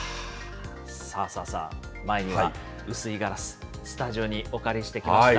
さあさあさあ、前には薄いガラス、スタジオにお借りしてきました。